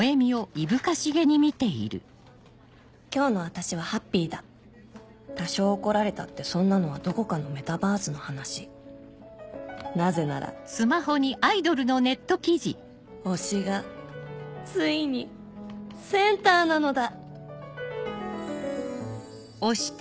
今日の私はハッピーだ多少怒られたってそんなのはどこかのメタバースの話なぜなら推しがついにセンターなのだ！